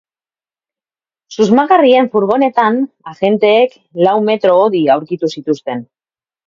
Susmagarrien furgonetan agenteek lau metro hodi aurkitu zituzten.